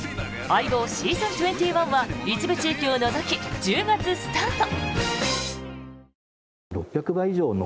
「相棒ｓｅａｓｏｎ２１」は一部地域を除き１０月スタート！